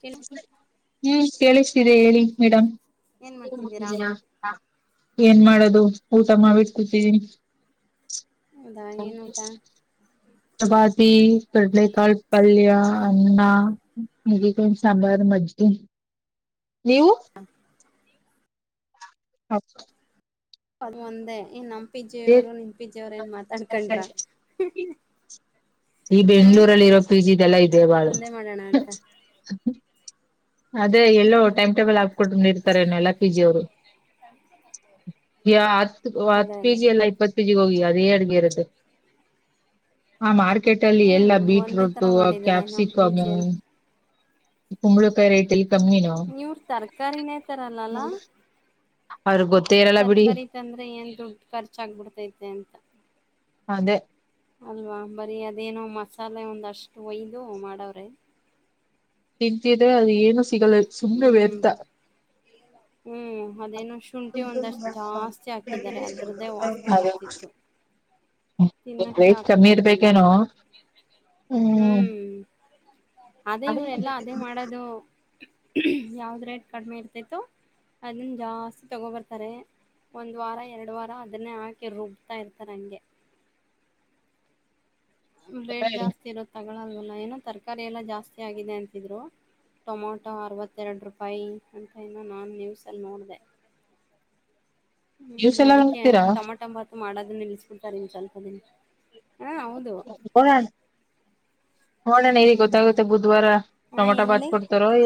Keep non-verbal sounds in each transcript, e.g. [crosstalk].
ಕೆಲ್ ಹ್ಮ್ ಕೇಳಿಸ್ತಿದೆ ಹೇಳಿ ಮೇಡಮ್ ಏನ್ ಮಾಡ್ತಿದ್ದೀರಾ ಏನ್ ಮಾಡದು ಊಟ ಮಾವಿಡ್ಕತೀವಿ ಹೌದಾ ಏನ್ ಊಟಾ ಚಪಾತಿ ಕಡಲಕಾಳ್ ಪಲ್ಯ ಅನ್ನ ಹ ಸಾಂಬಾರು ಮಜ್ಜು ನೀವು ಹ ಹ ಅದ ಒಂದೇ ನ್ ನಮ ಪಿಜ್ಜೆಯವ್ರು ನಿನ್ ಪಜ್ಜಿಯವ್ರ ಏನ್ ಮಾತಾಡ್ಕೊಂಡ್ರ ಈ ಹಾ ಬೆಂಗ್ಗಳೂರಲ್ಲಿ ಇರೋ ಪಿ ಜಿ ಇದೆಲ್ಲ ಇದೆ ಬಾಳ ಒಂದೇ ಮಾಡೋಣ ಅಂತ ಅದೇ ಎಲ್ಲೋ ಹ್ಮ್ ಟೈಮ್ ಟೇಬಲ್ ಹಾಕಟು ಇರ್ತಾರ ಏನ ಎಲ್ಲ ಪಿ ಜಿ ಅವ್ರು ಯ ಆತ್ ಅದೇ ಆತ್ ಅದೇ ಪಜ ಎಲ್ಲ ಇಪ್ಪತ್ತು [unintelligible] ಅಡುಗೆ ಆ ಮಾಡ ಕ್ರಿಕೆಟ್ ಅಲ್ಲಿ ಹ್ಮ್ ಎಲ್ಲಾ ಒಂದೇ ತರ ಬೀಟ್ರೂಟು ಮಾಡಿದ್ದಾರೆ ನಮ್ ಕ್ಯಾಪ್ಸಿಕಮು ಪಿಜಿಯಲ್ಲಿ ಕುುಂಬಳ ಕ ರೇಟ ಕಮ್ಮಿ ನ ನೀವರು ತರ್ಕಾರಿನೇತರಲ್ಲಲಾ ಅವ್ರ ಗೊತ್ತೇ ಇರಲ್ಲ ಬಿಡಿ ಅಂದ್ರೆ ಏನ್ ದುಡ್ ಖರ್ಚಾಗಗ್ಬಿಡ್ತೈತೆ ಅಂತ ಅದೇ ಅಲ್ವಾ ಬರಿ ಅದೇನೋ ಮಸಾಲೆ ಒಂದಷ್ಟು ಒಯ್ದು ಮಾಡವ್ರೆ ತಿದ್ದಿದ್ರೆ ಅದು ಏನು ಸಿಗಲ್ಲ ಸುಮ್ನೆ ಹ್ಮ್ ವ್ಯರ್ಥ ಹ್ಮ್ ಅದೇನು ಶುಂಠಿ ಒಂದಷ್ಟು ಜಾಸ್ತಿ ಹಾಕಿದಿದ್ದಾರೆ ಅದ್ರದ್ದೇ ವಾಸನೆ ಅದೇ ಬರ್ತಿತ್ತು ತಿನ್ನಕ್ಕೆ ರೇಟ್ ಆಗ್ತಾ ಕಮ್ಮಿ ಇರ್ಲಿಲ್ಲ ಇರ್ಬೇಕೇನೋ ಹ್ಮ್ ಅದೇ ಇವರೆಲ್ಲ ಅದೇ ಮಾಡೋದು ಯಾವ್ದ ರೇಟ್ ಕಡಿಮೆ ಇರ್ತತ್ತು ಅದನ್ನ ಜಾಸ್ತಿ ತಗೋಬರ್ತಾರೆ ಒಂದ್ ವಾರ ಎರಡು ವಾರ ಅದನ್ನೇ ಹಾಕಿ ರುಬ್ತಾ ಇರ್ತಾರೆ ಹಂಗೆ ಬ್ರೆಡ್ ಜಾಸ್ತಿ ಇರೋದು ತಗೊಲ್ವಲ್ಲ ಏನೋ ತರಕಾರಿ ಎಲ್ಲ ಜಾಸ್ತಿ ಆಗಿದೆ ಅಂತಿದ್ರು ಟೊಮೊಟೊ ಅರವತ್ತೆರಡು ರೂಪಾಯಿ ಅಂತ ಇನ್ನು ನಾನು ನ್ಯಸಲ್ಲಿ ನೋಡಿದೆ ನ್ಯೂಸ್ ಹ್ಮ್ ಎಲ್ಲ ಅದಕ್ಕೆ ನೋಡ್ತೀರಾ ಟಮಟಂಬಾತ್ ಮಾಡೋದನ್ನ ನಿಲ್ಸ್ಬಿಡ್ತಾರೆ ಇನ್ನು ಸ್ವಲ್ಪ ದಿನ ಹಾ ಹೌದು ಕ [unintelligible] ನೋಡನ್ಗ ಹ್ಮ್ ಗೊತ್ತಾಗುತ್ತೆ ಬುಧವಾರ ಹಾ ರಟೊಮೋಟಾ ಏನ್ ಬಾತ್ ಹೇಳಿ ಕೊಡ್ತಾರೋ ಈ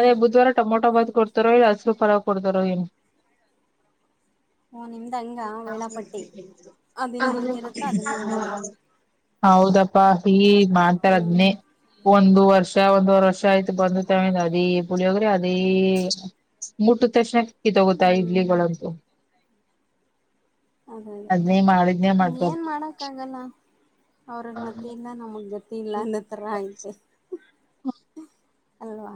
ಅದ ಬುಧವಾರ ಟಮೊಟೊ ಬಾದ್ ಕೊಡ್ತಾರ ಇಲ್ಲ ಹಸರು ಪರ ಕೊಡ್ತಾರೋ ಓ ನಿಮ್ದ ಹಂಗ ವೇಳಾಪಟ್ಟಿ ಆ ದಿನ ಅದ ಏನಿರುತ್ತೋ [unintelligible] ಅದನ್ನೇ ಮಾಡೋದು ಹೌದಪ್ಪಾ ಹ ಹ್ಮ್ ಮಾಡ್ತಾರದ್ನನೆ ಒಂದು ವರ್ಷ ಒಂದುವರೆ ವರ್ಷ ಆಯ್ತು ಬಂದ ತಮ ಅದೀ ಪುಳಿಯೋಗ್ರಿ ಅದೀ ಮುಟ್ಟು ತಕ್ಷಣಕ್ಕಿ ತಗುತ್ತಾ ಹ್ಮ್ ಇಡ್ಲಿಗಳಂತೂ ಅದೇ ಅದೇ ಅದ್ನೇ ಮಾಡಿದ್ನೇ ಹಂಗ ಏನ್ ಮಾಡ್ಬಾರ್ದು ಮಾಡಕ್ಕ ಆಗಲ್ಲ ಅವ್ರಗ್ ಮತ್ತೆ ಇಲ್ಲ ನಮಗ್ ಗತ್ತ ಇಲ್ಲ ಅನ್ನತ್ರ ಐತೆ ಅಲ್ವಾ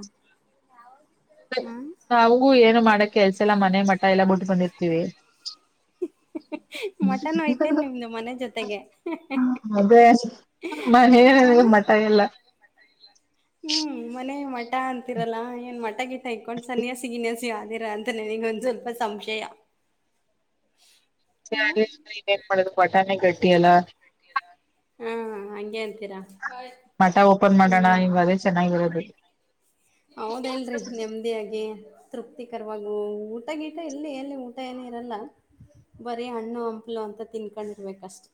ಹ್ಮ್ ನಾವಗೂ ಏನು ಮಾಡಕ್ ಕೆಲ್ಸ ಎಲ್ಲ ಮನೆ ಮಠ ಎಲ್ಲಾ ಬಿಟ್ಟು ಬಂದಿರ್ತೀವಿ ಮಟನ್ ಯ್ತೇ ನಿಮ್ದ ಮನೆ ಜೊತೆಗೆ ಅದೇ ಮನೆ ಹ ಮಠ ಎಲ್ಲ ಹ್ಮ್ ಮನೆ ಮಠ ಅಂತಿರಲ್ಲಾ ಏನ್ ಮಠ ಗೀತ ಇಕೊಂಡ್ ಸನ್ಯಾಸಿಗಿನ್ಯಾಸಿ ಯ್ದಿರ ಅಂತ ಗ ಒಂದ ಸ್ವಲ್ಪ ಸಂಶಯ ಹ ನ್ ಮಾಡೋದು ಪಟಾಣೆ ಗಟ್ಟಿ ಅಲ್ಲ [inaudible] ಹಾ ಹಂಗೆ ಅಂತೀರಾ ಮಠ ಓಪನ್ ಮಾಡೋಣ ಹ್ಮ್ ಇವದೇ ಚೆನ್ನಾಗಿರೋದು ಹೌದೇಲ್ರಿ ನೆಮ್ಮದಿಿಯಾಗಿ ತೃಪ್ತಿಕರವ ಊಟ ಗೀಟ ಇಲ್ಲಿ ಎಲ್ಲಿ ಊಟ ಏನ ಇರಲ್ಲ ಬರಿೀ ಹಣ್ಣು ಹಂಪಲು ಅಂತ ತಿನ್ಕೊಂಡಿರ್ಬೇಕಷ್ಟ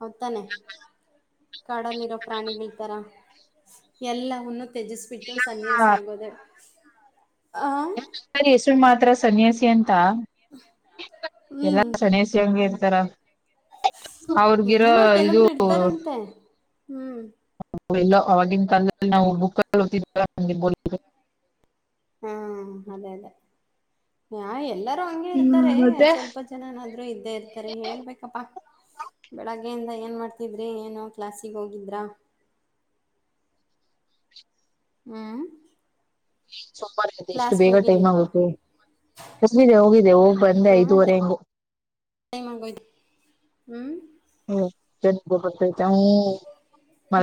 ಹೌದು ತಾನೆ ಕಾಡಲ್ಲಿ ಇರೋ ಪ್ರಾಣಿಗಳ ತರ ಎಲ್ಲವನ್ನು ತ್ಯಜಸ್ ಬಿಟ್ಟು ಸನ್ಯಾಸಿ ಆಗೋದೆ ಆ ಹೆಸರು ಮಾತ್ರ ಸನ್ಯಾಸಿ ಅಂತ ಎಲ್ಲಾ ಸನ್ಯಾಸಿ ಹಂಗೆ ಇರ್ತಾರ ಅವ್ರಗಿರೋ ಏನ ಇದು ಕೆಲೊಬ್ರು ಇರ್ತಾರಂತೆ ಹ್ಮ್ ಎಲ್ಲ ಅವವಾಗಿನ ಕಾಲ ನಾವು ಬುಕ್ ಹಾ ಅದೇ ಅದೇ ಯ ಎಲ್ಲರೂ ಹಂಗೆ ಹ್ಮ್ ಇರ್ತಾರೆ ಮತ್ತೆ ಸ್ವಲ್ಪ ಜನನಾದ್ರು ಇದ್ದೇ ಇರ್ತಾರೆ ಹೇಳ್ಬೇಕಪ್ಪಾ ಬೆಳಗ್ಗೆಯಿಂದ ಏನು ಮಾಡ್ತಿದ್ರಿ ಏನು ಕ್ಲಾಸಿಗೆ ಹೋಗಿದ್ದ್ರಾ ಹ್ಮ್ ಸೋಮಾರಐತೆ ಎಷ್ಟು ಬೇಗ ಟೈಮ್ ಹೋಗಿರ್ಲಿಲ್ವಾ ಆಗುತ್ತೆ ಕಮಿದೆ ಹೋಗಿದೆ ಹೋಗ ಬಂದೆ ಐದುವರೆ ಹೆಂಗು ಹ್ಮ್ ಹನ ಹ್ಮ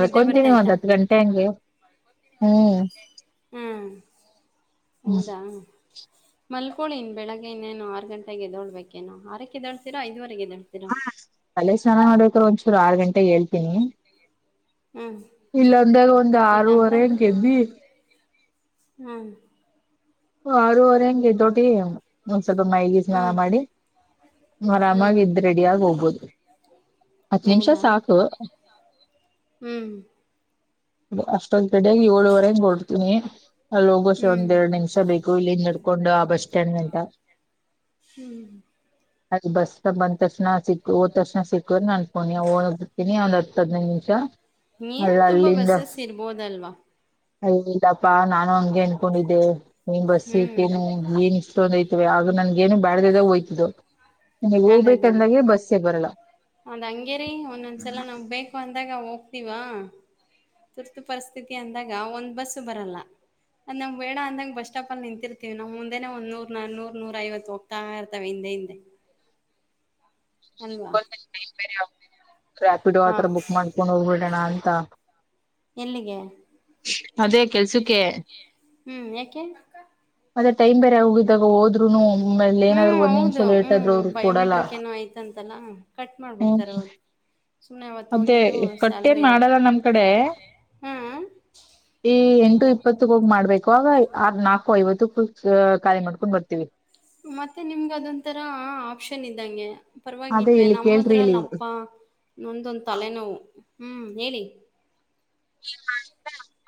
ನಿದ್ದೆ ಒಂದ್ ಬರ್ತಾಯ್ತಾ ಹತ್ತು ಗಂಟೆ ಹಂಗೆ ಹ್ಮ್ ಹುಂ ಹ್ಮ್ -ಹೌದಾ ಮಲ್ಕೊಳ್ಳಳಿ ಇನ್ನು ಬೆಳಗ್ಗೆನ್ನೇನು ಆರು ಗಂಟೆಗೆ ಏದಳ್ಬೇಕು ಆರಕ್ಕೆ ಎದೋಳ್ತೀರಾ ಐದುವರೆಗೆದ್ದಳ್ತೀರಾ ಅಲ್ಲೇ ಸ್ನಾನ ಮಾಡ್ಬೇಕ್ರ ಒಂಚೂರು ಆರು ಗಂಟೆಗೆ ಹೇಳ್ತೀನಿ ಹ್ಞೂ ಇಲ್ಲ ಅಂದಾಗ ಒಂದ್ ಇಲ್ಲಾಂದರೆ ಆರೂವರೆ ಹೆಂಗೆದ್ದಿ ಹ್ಮ ಆರೂವರೆ ಹಂಗೆ ತೋಟಿ ಒಂದ್ ಸ್ವಲ್ಪ ಮೈಗೆ ಸ್ನಾನ ಹ್ಞೂ ಮಾಡಿ ಹ್ಞೂ ಆರಾಮಾಗಿದ ರೆಡಿಯಗ ಹೋಗ್ಬೋದು ಹತ್ ನಿಮಿಷ ಸಾಕು ಹ್ಮ್ ಅಷ್ಟೊಂದು ಕಡಾಗಿ ಏಳುವರೆಗೆ ರ್ತೀನಿ ಅ ಲೋಗೋಸೆ ಹ್ಞೂ ಒಂದ್ೆರಡ್ ನಿಮಿಷ ಬೇಕು ಇಲ್ಲಿ ನಡ್ಕೊಂಡು ಆ ಬಸ್ ಸ್ಟ್ಯಾಂಡ್ ಗಂಟ ಹ್ಮ್ ಅದ ಬಸ್ಸ ಬಂದ ತಕ್ಷಣ ಸಿಕ್ಕು ಹೋದ್ ತಕ್ಷಣ ಸಿಕ್ಕ ನಾನನ್ ಬಿರ್ತೀನಿ ಒಂದ್ ಹದಿನೈದು ನಿಮಿಷ ನೀನ್ ಅಲ್ಲ ತುಂಬಾ ಬಸ್ಸಸ್ ಇರ್ಬೋದಲ್ವಾ ಯ ಇಲ್ಲಪ್ಪಾ ನಾನು ಹಂಗೆ ಅನ್ಕೊಂಡಿದ್ದೆ ನೀನ್ ಬಸ್ ಹ್ಮ್ ನನ್ ಏನ್ ಇಷ್ಟೊಂದ ಐ್ವ ಆಗ ನನ ಗೆನು ಬ್ಯಾಡ್ದದ ಹಯ್ತಿದ್ದು ಅದ ಅದೇ ಅದೇ ಅದ ಹಂಗೇರಿ ಒಂದೊಂದ್ಸಲ ನಮ್ ಬೇಕ ಅಂದಾಗ ಹೋಗ್ತಿವಾ ತುರ್ತು ಪರಿಸ್ಥಿತಿ ಅಂದಾಗ ಒಂದ್ ಬಸ್ ಬರಲ್ಲ ಅ ನನಾಗ್ ಬೆಡ ಅಂದಗ ಬಸ್ ಸ್ಟಾಪ ಅ ನಿಂತಿರ್ತೀವಿ ನಮ್ಮ ಮುಂದೆನೆ ಒಂದ ನೂ ನೂ ನೂರ ಐವತ್ತು ತಾವೆ ಬರ್ತವೆ ಹಿಂದೆ ಹಿಂದೆ ಅಲ್ವಾ ರ್ಯಾಪಿಡ್ ಹಾ ಆತರ ಬುಕ್ ಮಾಡ್ಕೊಂಡು ಹೋಗ್ಬಿಡೋಣ ಅಂತ ಎಲ್ಲಿಗೆ [unintelligible] ಅದೇ ಕೆಲ್ಸಕ್ಕೆ ಹ್ಮ್ ಯಾಕೆ ಮತ್ತೇ ಟೈಮ್ ಬೇರೆ ಹೋಗಿದಾಗ ಹೋದ್ರುನು ಆ ಮೇಲೆ ಏನಾದ್ರು ಹ್ಮ್ ಒಂದ್ ನಿಮಿಷ ಲೇಟ್ ಆದ್ರು ಅವರು ಕೊಡಲ್ಲ ಅಂತಲ್ಲ ಕಟ್ ಹ್ಮ್ ಮಾಡ್ಬಿಡ್ತಾರೆ ಅವ ಸುಮ್ನೆ ಅವತ್ತ ಅದೇ ಹೋಗಿದ್ದು ಕಟ್ ಸ್ಯಾಲ್ರಿ ಏನ್ ಇರಲ್ಲ ಮಾಡಲ್ಲ ನಮ್ ಕಡೆ ಹ್ಮ್ ಈ ಎಂಟು ಇಪ್ಪತ್ತ ಹೋಗಿ ಮಾಡ್ಬೇಕು ಆಗ ಆರೂ ನಾಲ್ಕು ಐವತ್ತುಕ್ಕ ಕಾರ್ಯ ಮಾಡ್ಕೊಂಡ್ ಬರ್ತೀವಿ ಮತ್ತೆ ನಿಮ್ಗೆ ಅದೊಂಂತರ ಆಪ್ಷನ್ ಇದ್ದಂಗೆ ಅದೇ ಪರವಾಗಿಲ್ವ ಇಲ್ಲಿ ಕೇಳ್ರಿ ಇಲ್ಲಿ ನಮ್ಮದ್ರಲ್ಲ ಅಪ್ಪ ನೊಂದೊಂದು ತಲೆನೋವು ಹ್ಮ್ ಹೇಳಿ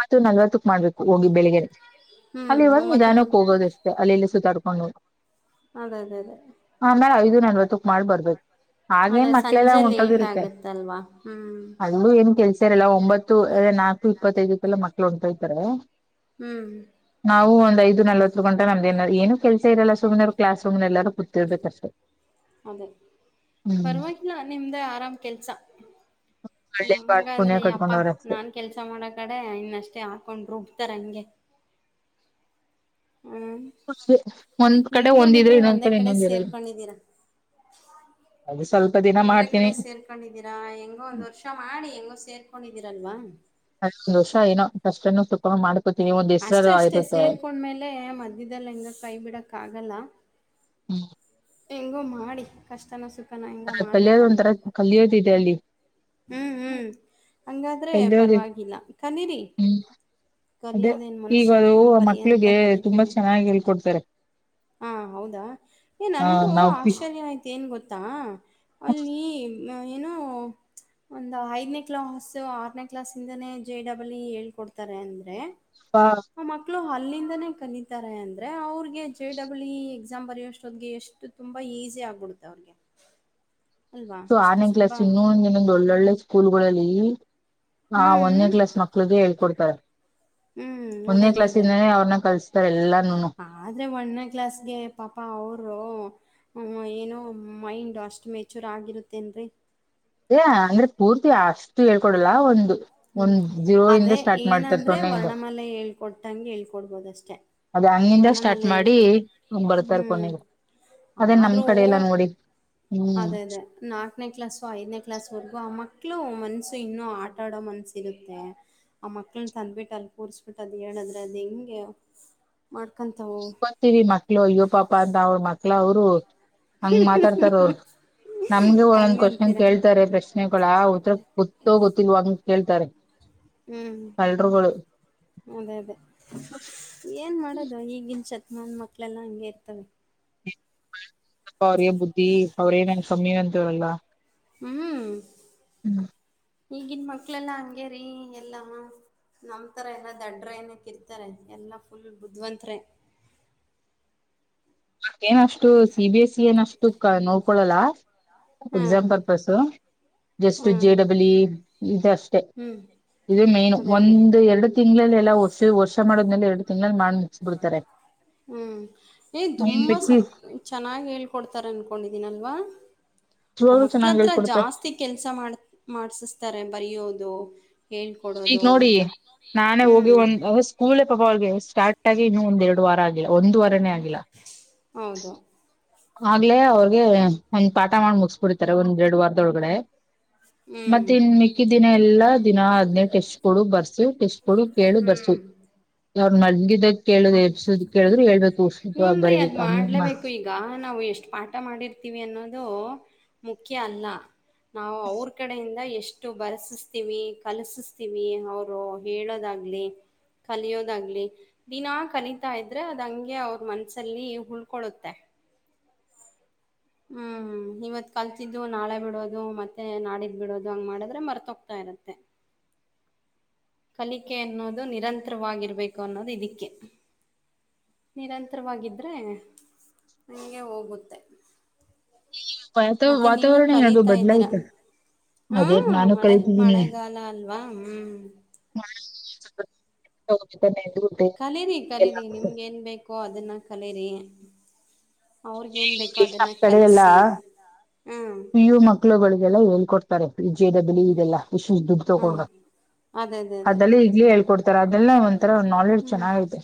ಮಾಡ ಮ ನಲ್ವತ್ತಕ್ ಮಾಡ್ಬೇಕು ಹೋಗಿ ಬೆಳಿಗ್ಗೆ ಹ್ಮ್ ಅಲ್ಲಿ ಇವಾಗ ಒಂಬತ್ತು ನೂ- ನಿಧಾನಕ್ಕೆ ಹೋಗೋದಷ್ಟ ಅಲ್ಲಿ ಇಲ್ಲಿ ಸೂತಾಡ್ಕೊಂಡು ಅದೇ ಅದೇ ಅದೇ ಆಮಳ ಐದು ನಲ್ವತ್ತಕ್ ಮಾಡಿ ಬರ್ಬೇಕು ಹಾಗೇನ್ ಅದೇ ಮಕ್ಳೆಲ್ಲಾ ಸಂಜೆ ಲೇಟ್ ಹೊಂಟೋಗಿರುತ್ತೆ ಆಗುತ್ತಲ್ವಾ ಹ್ಮ್ ಅಲ್ಲೂ ಏನ್ ಕೆಲ್ಸಾರಲ್ಲ ಒಂಬತ್ತು ನಾಲ್ಕು ಇಪ್ಪತ್ತೈದಕ್ಕೆಲ್ಲ ಮಕ್ಳುಂಟೈತಾರೆ ಹ್ಮ್ [inaudible] ನಲ್ವತ್ತು ಗಂಟೆ ನಮ್ದೇನ ಏನು ಕೆಲ್ಸ ಇರಲ್ಲ ಸುಮ್ನೆರು ಕ್ಲಾಸ್ ರೂಮ್ ಎಲ್ಲಾರು ಕೂತಿರ್ಬೇಕಷ್ಟೇ ಅದೇ ಹ್ಮ್ ಪರವಾಗಿಲ್ಲ ನಿಮ್ದೇ ಆರಾಮ್ ಕೆಲ್ಸ ಒಳ್ಳೆ ನಮಂಗ ಪಾಟ್ ಪುಣ್ಯ ಅಂದ್ರೆ ಅಪ್ಪಾ ಕಟ್ಕೊಂಡವ್ರ ಅಷ್ಟೇ ನಾನ್ ಕೆಲ್ಸ ಮಾಡೋ ಕಡೆ ಇನ್ನ ಅಷ್ಟೇ ಹಾಕೊಂಡ್ ರುಬ್ತಾರ ಹಂಗೆ ಹ್ [inaudible] ಒಂದ್ ಕಡೆ ಒಂದ್ಿದ್ರೆ ಇನ್ನೊಂದ್ ಒಂದೇ ಕಡೆ ಇನ್ನೊಂದ ಇರಲ್ ಸೇರ್ಕೊಂಡಿದ್ದೀರಾ ಒಳ್ಳೆ ಕಡೆ ಸೇರ್ಕೊಂಡಿದ್ದೀರಾ ಹೆಂಗೋ ಒಂದ್ ವರ್ಷ ಮಾಡಿ ಹೆಂಗೋ ಸೇರ್ಕೊಂಡಿದ್ದೀರಲ್ವಾ ಅಷ್ಟ ದೋಸ ಏನೋ ಅಷ್ಟನು ತುಪ್ಪ ಮಾಡ್ಕೋತೀವಿ ಒಂದು ಅಷ್ಟೆ ಅಷ್ಟೇ ಸೇರ್ಕೊಂಡ್ಮೇಲೆ ಮಧ್ಯದಲ್ಲಿ ಹೆಂಗ ಕೈ ಬಿಡಕ್ ಆಗಲ್ಲ ಹೆಂಗೋ ಮಾಡಿ ಕಷ್ಟನ ಸುಖನ ಹೆಂಗ ಮಾಡ್ಬೇಕಲ್ವಾ ಕಲ್ಲಿಿಯೋತಿದ್ದ ಅಲ್ಲಿ ಹ್ಮ್ ಹ್ಮ್ ಹಂಗಾದ್ರೆ ಕಲಿಯೋದು ಪರವಾಗಿಲ್ಲ ಕನೀರಿ ಹ್ಮ್ ಅದೇ ಕಲಿಯೋದೇನು ಈಗ ಮನುಷ್ಯ ಅದು ಜೀವನ ಪರ್ಯಂತ ಮಕ್ಳಿಗೆ ತುಂಬಾ ಕಲಿತಾನೆ ಚೆನ್ನಾಗಿ ಹೇಳ್ಕೊಡ್ತಾರೆ ಹಾ ಹೌದಾ ಏ ಆ ನನ್ಗೂ ನಾವು ಪಿಪ್ಪ ಆಶ್ಚರ್ಯ ಆಯ್ತು ಏನು ಗೊತ್ತಾ ಅಲ್ಲಿ ಏನೋ ಒಂದು ಐದನೇ ಕ್ಲಾಸ್ ಆರನೇ ಕ್ಲಾಸ್ಿಂದನೇ ಜೆ ಡಬಲ್ ಇ ಹೇಳ್ಕೊಡ್ತಾರೆ ಅಂದರೆ ಹಾ ಆ ಮಕ್ಕಳು ಅಲ್ಲಿಂದನೇ ಕಲಿತಾರೆ ಅಂದ್ರೆ ಅವ್ರಿಗೆ ಜೆ ಡಬ್ಲ್ ಇ ಎಕ್ಸಾಮ್ ಬರೆಯೋಷ್ಟೊದಗೆ ಎಷ್ಟು ತುಂಬಾ ಈಸಿ ಆಗ್ಬಿಡುತ್ತೆ ಅವ್ರಿಗೆ ಅಲ್ವಾ ಸೊ ಎಷ್ಟು ಆನೆ ಸುಲಭ ಕ್ಲಾಸ ಅಂತ ನ ಇನ್ನೊಂದು್ ಒಳ್ಳೊಳ್ಳೆ ಸ್ಕೂಲ್ಗಳಲ್ಲಿ ಆ ಹ್ಮ್ ಒಂದೇ ಕ್ಲಾಸ್ ಮಕ್ಳಿಗೆ ಹೇಳ್ಕೊಡ್ತಾರೆ ಹ್ಮ್ ಅದೇ ಒಂದೇ ಕ್ಲಾಸ್ ಇಿಂದನೇ ಅವ್ರನ್ನ ಕಲ್ಸ್ತಾರೆ ಎಲ್ಲಾನುನು ಆದ್ರರೆ ಒಂದೇ ಕ್ಲಾಸ್ಗೆ ಪಾಪ ಅವರು ಏನೋ ಮೈಂಡ್ ಅಷ್ಟು ಮೆಚ್ಯೂರ್ ಆಗಿರುತ್ತೇನ್ೀ ಅಂದ್ರೆ ಪೂರ್ತಿ ಆಸ್ತಿ ಹೇಳ್ಕೊಡಲ್ಲ ಒಂದು ಹ್ಮ್ ಒಂದ್ ಜೀರೋ ಇಿಂದ ಸ್ಟಾರ್ಟ್ ಮಾಡ್ತಾರೆ ೊನ್ನೆಯಿಂದ [unintelligible] ಕೊಟ್ಟಂಗೆ ಹೇಳ್ಕೊಡ್ಬೋದು ಅಷ್ಟೆ ಅದ ಹಂಗಿಂದ ವರ್ಣಮಲ್ಲ ಸ್ಟಾರ್ಟ್ ಮಾಡಿ ಹೇಳ್ಕೊ ಬರ್ತಾರ ಹ್ಮ್ ಕೊನೆಗೆ ಅದೇ ನಮ್ ಆದ್ರೂ ಕಡೆ ಎಲ್ಲ ನೋಡಿ ಹ್ಮ್ ಅದೇ ಅದೇ ನಾಲ್ಕನೇ ಕ್ಲಾಾಸು ಐದನೇ ಕ್ಲಾಸ್ ವರೆಗೂ ಆ ಮಕ್ಕಳು ಮನ್ಸು ಇನ್ನುೂ ಆಟ ಆಡೋ ಮನ್ಸಿರುತ್ತೆ ಆ ಮಕ್ಳನ್ನ ತಂದ್ಬಿಟ್ಟ ಅಲ್ಲಿ ಕೂರ್ಸ್ಬಿಟ್ಟ ಅದ ಹೇಳದ್ರೆ ಅದ್ ಹೆಿಂಗೆ ಮಾಡ್ಕೊಂತವು ಹತವಿ ಮಕ್ಳು ಅಯ್ಯ ಪಾಪ ಅಂತ ಅವ್ರ ಮಕ್ಳ ಅವರು ಹಂಗ ಮಾತಾಡ್ತಾರ ಅವರು ನಮ್ಗೆ ಒಂದೊಂದ ಕ್ವಶನ್ ಹಂಗಂತೀರ ಕೇಳ್ತಾರೆ ಪ್ರಶ್ನೆಗಳ ಉರ ಗೊತ್ತ ಗೊ ಲ್ವಂಗ ಕೇಳ್ತಾರೆ ಹ್ಮ್ ಕಲ್ರುಗಳು ಅದೇ ಅದೇ ಏನ್ ಮಾಡೋದು ಈಗಿನ ಶತಮಾನ್ ಮಕ್ಕಳೆಲ್ಲ ಹಂಗೆ ಇರ್ತವೆ ಅವ್ರಿಗೆ ಬುದ್ಧಿ ಅವ್ರೇ ಏನ್ ಕಮ್ಮಿ ಅಂತ ಇವ್ರಲ್ಲ ಹ್ಮ್ಂ ಹೂ ಈಗಿನ್ ಮಕ್ಳೆಲ್ಲಾ ಹಂಗೇರಿ ಎಲ್ಲಾ ನಮ್ ತರ ಎಲ್ಲ ದಡ್ಡ್ರ ಏನಕ್ಕ ಇರ್ತಾರೆ ಎಲ್ಲಾ ಫುಲ್ ಬುದ್ವಂತರೇ ಮೇ ಅಷ್ಟು ಸಿ ಬಿ ಎಸ್ ಸಿ ಅಷ್ಟು ನೋಡ್ಕೊಳಲ್ಲ ಹಾ ಎಕ್ಸಾಂಪರ್ಪಸ್ ಜಸ್ಟ್ ಜೆ ಹ್ಮ್ ಡಬಲ್ ಇ ಇದ ಅಷ್ಟೆ ಹ್ಮ್ ಇದು ಮೇನ್ ಅದೇ ಅದೇ ಒಂದು ಎರಡು ತಿಂಗಳಗಳಲ್ಲಿ ಎಲ್ಲ ವರ್ಷ ವರ್ಷ ಮಾಡದ್ಮೇಲೆ ಎರಡು ತಿಂಗಳಲ್ಲಿ ಮಾಡಿ ಮುಗಿಸಿ ಬಿಡ್ತಾರೆ ಹ್ಮ್ ಏ ತುಂಬಾ ಸ ಮಿಕ್ಕಿ ಚೆನ್ನಾಗಿ ಹೇಳ್ಕೊಡ್ತಾರೆ ಅನ್ಕೊಂಡಿದೀನಲ್ವಾ ಆ ನಿಜವಾಗ್ಲೂ ಚೆನ್ನಾಗ್ ಮಕ್ಳತ್ರ ಹೇಳ್ಕೊಡುತ್ತೆ ಜಾಸ್ತಿ ಕೆಲ್ಸ ಮಾಡ ಮಾಡ್ಸಿಸ್ತಾರೆ ಬರಯೋದು ಹೇಳ್ ಈಗ ಕೊಡೋದು ನೋಡಿ ನಾನೇ ಹೋಗಿ ಹ್ಮ್ ಒಂದ್ ಸ್ಕೂಲೇ ಪಾಪ ಅವಿಗೆ ಸ್ಟಾರ್ಟ ಆಗಿ ಇನ್ನೂ ಒಂದ ಎರಡು ವಾರ ಆಗಿಲ್ಲ ಒಂದ ವಾರೇ ಆಗಿಲ್ಲ ಹೌದು ಆಗ್ಲಲೆ ಅವ್ರಗೆ ಒಂದ್ ಪಾಠ ಮಾಡಿ ಮುಗಿಸಬಿಡ್ತಾರೆ ಒಂದ್ ಎರಡ್ ವಾರದೊಳಗಡೆ ಮತ್ತ ಹ್ಮ್ ಇನ್ ಮೀಕ್ಕಿದ್ದಿನ ಎಲ್ಲಾ ದಿನ ಹದ್ನೇ ಟೆಸ್ಟ್ ಕೊಡು ಬರ್ಸೀ ಟೆಸ್ಟ್ ಕೊಡು ಕೇಳ ಬರ್ಸು ಹ್ಮ್ ಅವ್ರ ಮಲಗಿದಾಗ ಕೇಳುದ ಎಬಿಸುದ ಕೇಳಿದ್ರು ಹೇಳ್ಬೇಕು ಸುದ್ದವಾಗಿ ಹೂನ್ ರೀ ಬರಿಬೇಕು ಅದ್ ಮಾಡ್ಲೇಬೇಕು ಈಗ ನಾವು ಎಷ್ಟು ಪಾಠ ಮಾಡಿರ್ತೀವಿ ಅನ್ನೋದು ಮುಖ್ಯ ಅಲ್ಲಾ ನಾವು ಅವ್ರ ಕಡೆಯಿಂದ ಎಷ್ಟು ಎಷ್ಟು ಬರಸಸತೀವಿ ಕಲಸಿಸ್ತೀವಿ ಅವರು ಹೇಳೋದಾಗ್ಲಿ ಕಲಿಯೋದಾಗ್ಲಿ ದಿನಾ ಕಲಿತಾ ಇದ್ರೆ ಅದು ಹಂಗೆ ಅವ್ರ ಮನಸ್ಸಲ್ಲಿ ಉಳ್ಕೊಳ್ಳುತ್ತೆ ಹ್ಮ್ ಇವತ್ ಕಲ್ತಿದ್ದು ನಾಳೆ ಬಿಡೋದು ಮತ್ತೆ ನಾಡಿದ್ ಬಿಡೋದು ಹಂಗ್ ಮಾಡಿದ್ರೆ ಮರ್ತೋಗ್ತಾ ಇರತ್ತೆ ಕಲಿಕೆ ಅನ್ನೋದು ನಿರಂತರವಾಗಿರ್ಬೇಕು ಅನ್ನೋದು ಇದಿಕ್ಕೆ ನಿರಂತರವಾಗಿದ್ದರೆ ಹಂಗೆ ಹೋಗುತ್ತೆ ವಾತ ಮತ್ತೆ ನೀವು ವಾತಾವರಣ ಏನಾದ್ರು ಕಲೀತಾದೀರಾ ಬದ್ಲಾಯ್ತ ಅದೇ ಹ್ಮ್ ನಾನು ಮಳೆ ಕರಿತಿದ್ದೀನಿ ಮಳೆಗಾಲ ಅಲ್ವಾ ಹ್ಮ್ [unintelligible] ಕಲೇರಿ ಎಲ್ಲ ಕಲೀರಿ ನಮ್ ನಿಮ್ಗೇನ್ ಬೇಕೋ ಅದನ್ನ ಕಲೀರಿ ಅವ್ರಗ ಏನ್ ಬೇಕೋ ಅದನ್ನ ಕಡೆ ಎಲ್ಲಾ ಕಲ್ಸಿ ಹ್ಮ ಮಕ್ಕಳುಗಳಿಗೆಲ್ಲಾ ಹೇಳ್ಕೊಡ್ತಾರೆ ಜೆ ಡಬ್ಲ್ಯೂ ಈ ಇದೆಲ್ಲಾ ವಿಶೇಷ ದುಡ್ಡು ಹ್ಮ್ ತಕೊಂಡ್ರ ಅದೇ ಅದೇ ಅದೇ ಅದಲ್ಲ ಈಗ್ಲೇ ಹೇಳ್ಕೊಡ್ತಾರ ಅದಲ್ಲ ಒಂಥರ ನಾಲೆಜ್ ಚೆನ್ನಾಗಿದೆ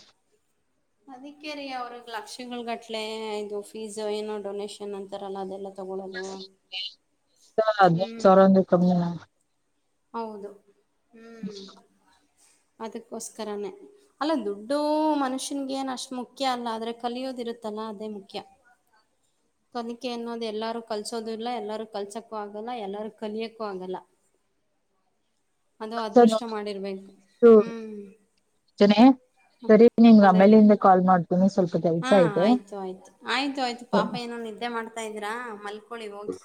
ಅದಕ್ಕೆೇ ರೀ ಅವ್ರಿಗೆ ಲಕ್ಷಗಳಗಟ್ಲೆ ಇದು ಫೀಸು ಏನೋ ಡೊನೇಷನ್ ಅಂತಾರಲ್ಲ ಅದೆಲ್ಲ [unintelligible] ಸಾ ಹದಿನೈದು ಹ್ಮ್ ಸಾವಿರ ಅಂದ್ರೆ ಕಮಿನ ಹೌದು ಹ್ಮ ಅದಕ್ಕೋಸ್ಕರನೇ ಅಲ್ಲ ದುಡ್ಡು ಮನುಷ್ಯನ್ಗೆ ಏನು ಅಷ್ಟು ಮುಖ್ಯ ಅಲ್ಲ ಆದ್ರೆ ಕಲಿಯೋದಿರುತ್ತಲ್ಲ ಅದೇ ಮುಖ್ಯ [inaudible] ಕಲಿಕೆ ಅನ್ನೋದು ಎಲ್ಲಾರು ಕಲ್ಸೋದ ಇಲ್ಲ ಎಲ್ಲಾರು ಕಲ್ಸಕ್ಕೂ ಆಗಲ್ಲ ಎಲ್ಲಾರೂ ಕಲಿಯಕ್ಕೂ ಆಗಲ್ಲ ಅದು ಸರ್ ಅದೃಷ್ಟ ಮಾಡಿರ್ಬೇಕು ನೋಡು ಹ್ಮ್ [unintelligible] ಸರಿ ನಿಂಗ್ ಅದೇ ಅದೇ ಆಮೇಲಿಂದ ಕಾಲ್ ಮಾಡ್ತೀನಿ ಸ್ವಲ್ಪ ಹಾ ಕೆಲ್ಸ ಐತೆ ಆಯ್ತು ಆಯ್ತು ಆಯ್ತು ಆಯ್ತು ಸರಿ ಪಾಪ ಏನೊನ್ ನಿದ್ದೆ ಮಾಡ್ತಾ ಇದ್ರಾ ಮಲ್ಕೊಳ್ಳಳಿ ಹೋಗಿ